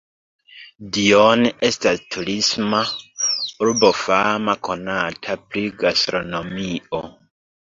Dijon estas turisma urbo fama konata pri gastronomio.